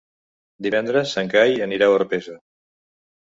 Divendres en Cai anirà a Orpesa.